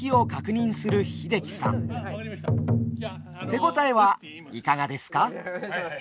手応えはいかがですか？